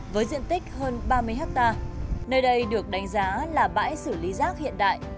với diện tích hơn ba mươi hectare nơi đây được đánh giá là bãi xử lý rác hiện đại